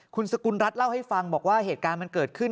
คุณสกุลรัฐเล่าให้ฟังบอกว่าเหตุการณ์มันเกิดขึ้น